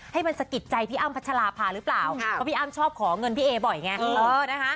ให้มันสะกิดใจพี่อ้ำพัชราภาหรือเปล่าเพราะพี่อ้ำชอบขอเงินพี่เอบ่อยไง